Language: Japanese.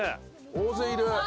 大勢いる。